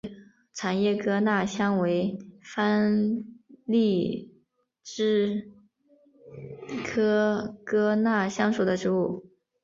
长叶哥纳香为番荔枝科哥纳香属的植物。